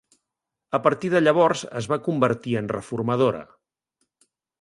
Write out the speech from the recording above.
A partir de llavors, es va convertir en reformadora.